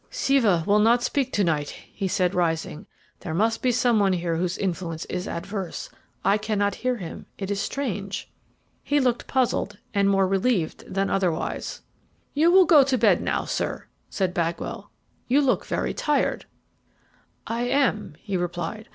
"Siva will not speak to night," he said, rising; "there must be some one here whose influence is adverse. I cannot hear him. It is strange!" He looked puzzled, and more relieved than otherwise. "You will go to bed now, sir," said Bagwell; "you look very tired." "I am," he replied.